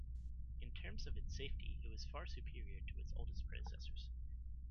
In terms of its safety, it was far superior to its oldest predecessors.